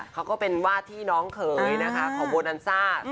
เขาก็เป็นว่าที่น้องเขยนะคะของโบนันซ่า